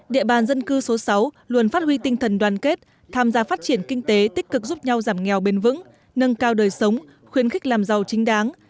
địa bàn dân cư số sáu luôn phát huy tinh thần đoàn kết tham gia phát triển kinh tế tích cực giúp nhau giảm nghèo bền vững nâng cao đời sống khuyến khích làm giàu chính đáng